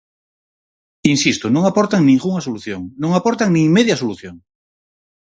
Insisto, non aportan ningunha solución, non aportan nin media solución.